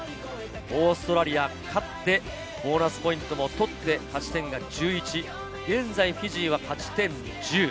オーストラリア勝って、ボーナスポイントも取って勝ち点が１１、現在フィジーが勝ち点１０。